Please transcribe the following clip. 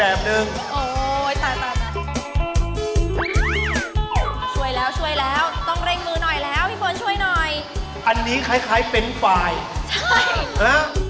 อันนั้นเขาต้องพันเพราะเค้ามันเส้นเป็นยาวหน่อย